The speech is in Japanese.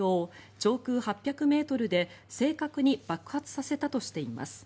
上空８００ｍで正確に爆発させたとしています。